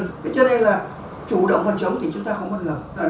thế cho nên là chủ động phân chống thì chúng ta không bất ngờ